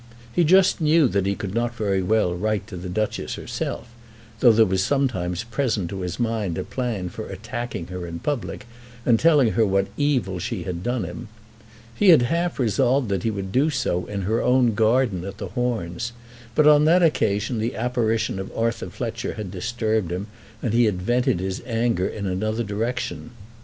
He just knew that he could not very well write to the Duchess herself, though there was sometimes present to his mind a plan for attacking her in public, and telling her what evil she had done him. He had half resolved that he would do so in her own garden at the Horns; but on that occasion the apparition of Arthur Fletcher had disturbed him, and he had vented his anger in another direction.